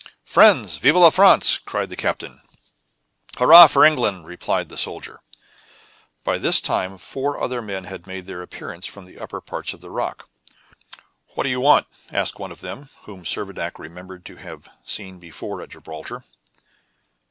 "Friends. Vive la France!" cried the captain. "Hurrah for England!" replied the soldier. By this time four other men had made their appearance from the upper part of the rock. "What do you want?" asked one of them, whom Servadac remembered to have seen before at Gibraltar.